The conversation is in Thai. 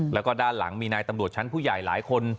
แล้วก็ด้านหลังมีนายตำรวจชั้นผู้ใหญ่หลายคน